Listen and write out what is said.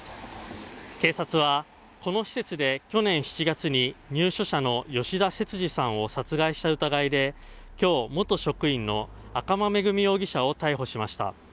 警察は、この施設で去年７月に入所者の吉田節次さんを殺害した疑いで今日、元職員の赤間恵美容疑者を逮捕しました。